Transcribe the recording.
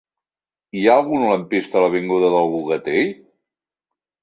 Hi ha algun lampista a l'avinguda del Bogatell?